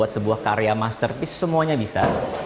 buat sebuah karya masterpiece semuanya bisa